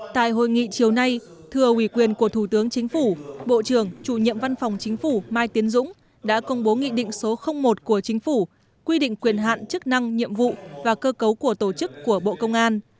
tại hội nghị chiều nay thừa ủy quyền của thủ tướng chính phủ bộ trưởng chủ nhiệm văn phòng chính phủ mai tiến dũng đã công bố nghị định số một của chính phủ quy định quyền hạn chức năng nhiệm vụ và cơ cấu của tổ chức của bộ công an